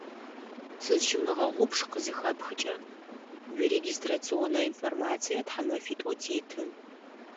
«Сызщымыгъэгъупш» къызыхэпхыкӏэ уирегистрационнэ информацие тхьэмэфитӏо теты.